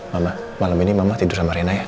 mama malam ini mama tidur sama rena ya